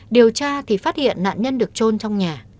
điều tra thì phát hiện nạn nhân được trôn trong nhà